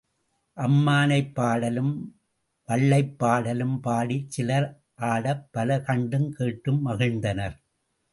அம்மானைப் பாடலும் வள்ளைப் பாடலும் பாடிச் சிலர் ஆடப் பலர் கண்டுங் கேட்டும் மகிழ்ந்தனர்.